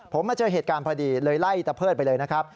ผมมาเจอเหตุการณ์พอดีเลยไล่ตะเพิดไปเลยนะครับ